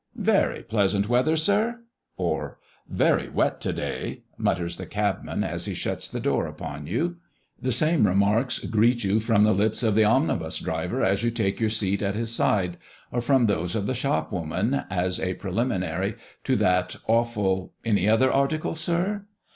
"Very pleasant weather, Sir;" or, "Very wet to day," mutters the cabman as he shuts the door upon you. The same remarks greet you from the lips of the omnibus driver as you take your seat at his side, or from those of the shopwoman, as a preliminary to that awful "Any other article, Sir?"